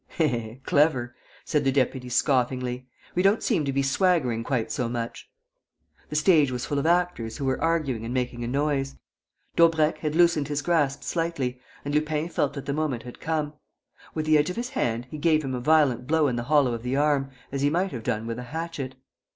"Eh, clever!" said the deputy, scoffingly. "We don't seem to be swaggering quite so much." The stage was full of actors who were arguing and making a noise. Daubrecq had loosened his grasp slightly and Lupin felt that the moment had come. With the edge of his hand, he gave him a violent blow in the hollow of the arm, as he might have done with a hatchet.